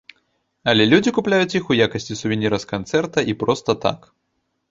Але людзі купляюць іх, у якасці сувеніра з канцэрта і проста так.